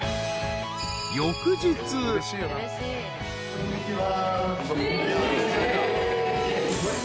こんにちは。